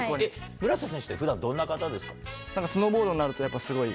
村瀬選手って普段どんな方ですか？